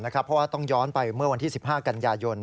เพราะว่าต้องย้อนไปเมื่อวันที่๑๕กันยายน